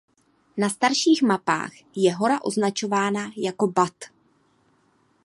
Na starších mapách je hora označována jako Bat.